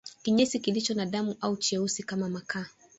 Kinyesi kilicho na damu au cheusi kama makaa